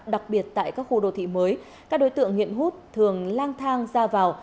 đặc biệt tại các khu đô thị mới các đối tượng nghiện hút thường lang thang ra vào